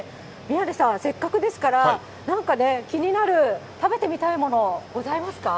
宮根さん、せっかくですからなんかね、気になる、食べてみたいもの、ございますか？